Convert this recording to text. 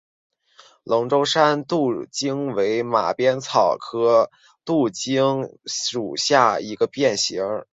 龙州山牡荆为马鞭草科牡荆属下的一个变型。